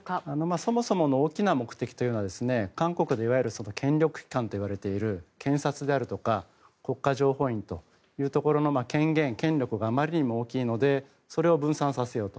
そもそもの大きな目的というのは韓国でいわゆる権力機関といわれている検察であるとか国家情報院というところの権限、権力があまりにも大きいので分散させようと。